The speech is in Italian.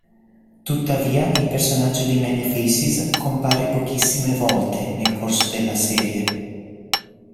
Tuttavia il personaggio di Man-E-Faces compare pochissime volte nel corso della serie.